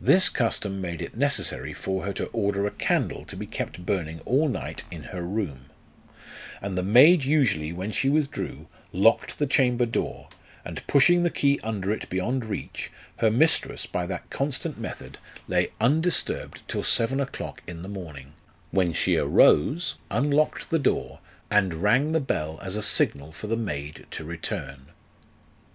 This custom made it necessary for her to order a candle to be kept burning all night in her room ; and the maid usually, when she withdrew, locked the chamber door, and pushing the key under it beyond reach, her mistress, by that constant method, lay undisturbed till seven o'clock in the 74 LIFE OF RICHARD NASH. morning, when she arose, unlocked the door, and rang the bell as a signal for the maid to return.